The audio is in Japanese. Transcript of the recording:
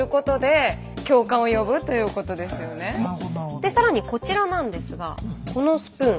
で更にこちらなんですがこのスプーン。